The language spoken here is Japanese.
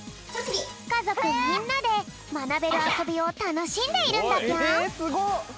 かぞくみんなでまなべるあそびをたのしんでいるんだぴょん。